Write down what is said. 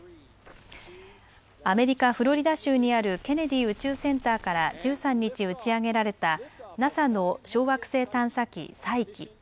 アメリカ・フロリダ州にあるケネディ宇宙センターから１３日、打ち上げられたＮＡＳＡの小惑星探査機サイキ。